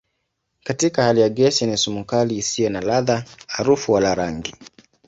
Katika hali ya gesi ni sumu kali isiyo na ladha, harufu wala rangi.